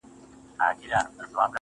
په سل ځله دي غاړي ته لونگ در اچوم,